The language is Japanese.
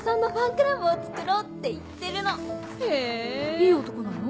いい男なの？